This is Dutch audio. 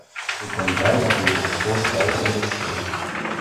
Ik ben blij dat u dit voorstel ondersteunt.